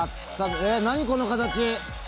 何、この形？